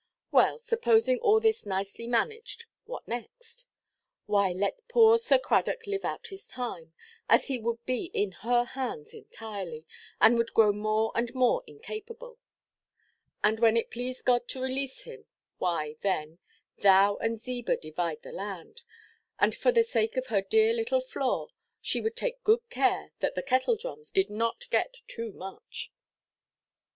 Well, supposing all this nicely managed, what next? Why, let poor Sir Cradock live out his time, as he would be in her hands entirely, and would grow more and more incapable; and when it pleased God to release him, why then, "thou and Ziba divide the land," and for the sake of her dear little Flore, she would take good care that the Kettledrums did not get too much.